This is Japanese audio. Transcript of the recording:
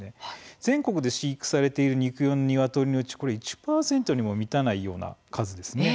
全国で飼育されている肉用のニワトリのうち１％にも満たないような数なんです。